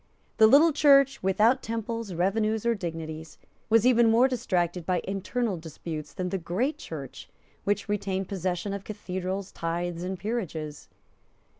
The little Church, without temples, revenues or dignities, was even more distracted by internal disputes than the great Church, which retained possession of cathedrals, tithes and peerages.